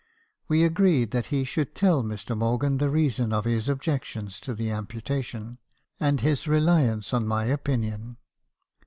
"We agreed that he should tell Mr. Morgan the reason of his objections to the amputation, and his reliance on my opinion.